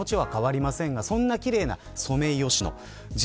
そんな奇麗なソメイヨシノ